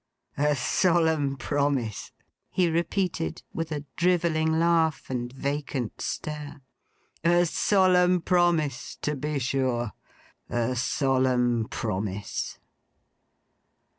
'A solemn promise,' he repeated, with a drivelling laugh and vacant stare. 'A solemn promise. To be sure. A solemn promise!